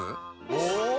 お！